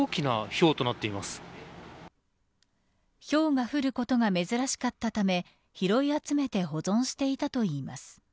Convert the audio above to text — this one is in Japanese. ひょうが降ることが珍しかったため拾い集めて保存していたといいます。